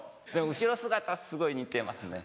後ろ姿すごい似てますね。